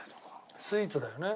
スイーツだよね。